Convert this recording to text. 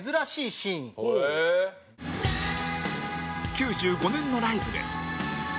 ９５年のライブで